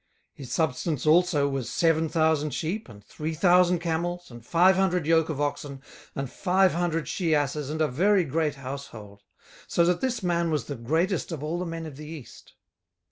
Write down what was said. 18:001:003 His substance also was seven thousand sheep, and three thousand camels, and five hundred yoke of oxen, and five hundred she asses, and a very great household; so that this man was the greatest of all the men of the east.